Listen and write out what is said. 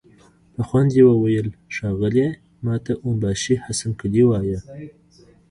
په خوند يې وويل: ښاغليه! ماته اون باشي حسن قلي وايه!